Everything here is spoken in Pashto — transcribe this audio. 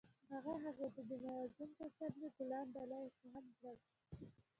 هغه هغې ته د موزون پسرلی ګلان ډالۍ هم کړل.